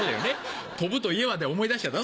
「飛ぶといえば」で思い出しちゃったの？